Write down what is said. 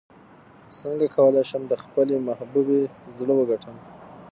څنګه کولی شم د خپلې محبوبې زړه وګټم